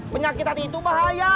penyakit hati itu bahaya